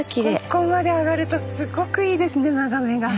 ここまで上がるとすごくいいですね眺めが。